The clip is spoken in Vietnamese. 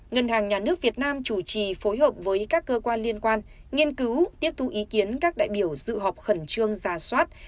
ngân hàng nhà nước việt nam chủ trì phối hợp với các cơ quan liên quan nghiên cứu tiếp thu ý kiến các đại biểu dự họp khẩn trương ra soát